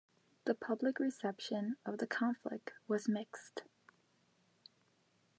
The public reception of the conflict was mixed.